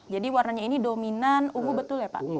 jadi warnanya ini dominan ungu betul ya pak